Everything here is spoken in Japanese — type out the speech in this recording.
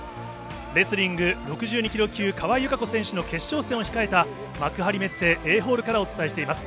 レスリング６２キロ級、川井友香子選手の決勝戦を控えた幕張メッセＡホールからお伝えします。